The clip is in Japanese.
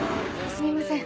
すみません。